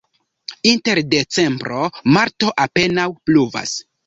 Inter decembro-marto apenaŭ pluvas.